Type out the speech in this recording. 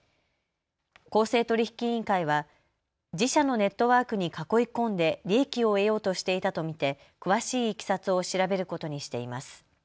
公正取引委員会は自社のネットワークに囲い込んで利益を得ようとしていたと見て詳しいいきさつを調べることにしています。